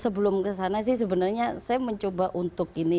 sebelum kesana sih sebenarnya saya mencoba untuk ini